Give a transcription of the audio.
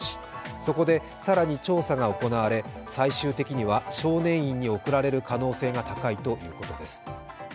そこで更に調査が行われ最終的には少年院に送られる可能性が高いということです。